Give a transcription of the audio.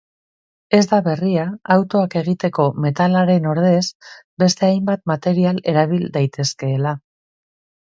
Ez da berria autoak egiteko metalaren ordez beste hainbat material erabil daitezkeela.